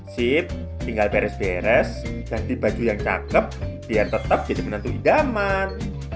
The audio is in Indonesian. sip tinggal beres beres ganti baju yang cakep biar tetap jadi penentu idaman